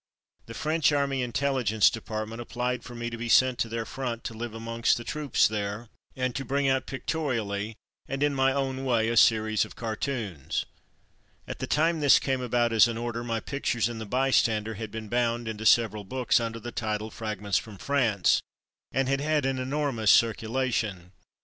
The French Army Intelli gence Department applied for me to be sent to their front, to live amongst the troops there and to bring out pictorially, and in my own way, a series of cartoons. At the time this came about as an order, my pic tures in the Bystander had been bound into several books under the title of Fragments from France^ and had had an enormous circulation.